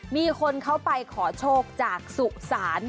มีคนเขาไปขอโชคจากสุสาน